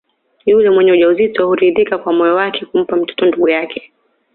Yule mwenye ujauzito huridhika kwa moyo wake kumpa mtoto ndugu yake